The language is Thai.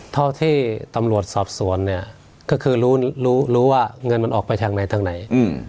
เท่าที่ตำรวจสอบสวนเนี่ยก็คือรู้รู้ว่าเงินมันออกไปทางไหนทางไหน